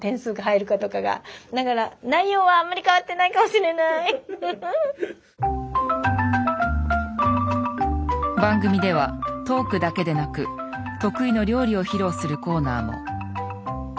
それこそ番組ではトークだけでなく得意の料理を披露するコーナーも。